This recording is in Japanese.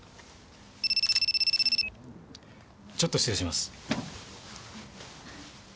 ちょっと失礼します。